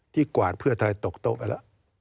กวาดเพื่อไทยตกโต๊ะไปแล้ว